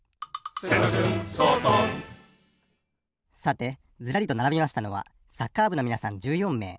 さてずらりとならびましたのはサッカーぶのみなさん１４めい。